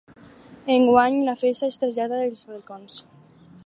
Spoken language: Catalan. Enguany, la festa es trasllada als balcons.